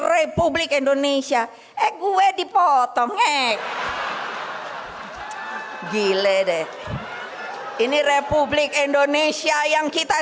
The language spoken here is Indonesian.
republik indonesia eh gue dipotong eh gile deh ini republik indonesia yang kita